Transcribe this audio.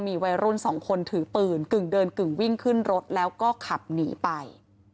มีวัยรุ่นสองคนถือปืนกึ่งเดินกึ่งวิ่งขึ้นรถแล้วก็ขับหนีไป